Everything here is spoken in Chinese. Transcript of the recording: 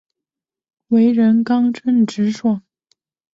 为人刚正直爽。